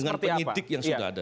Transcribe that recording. dengan penyidik yang sudah ada